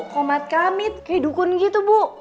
kumat kamit kayak dukun gitu bu